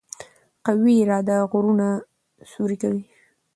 قوي اراده غرونه سوري کوي.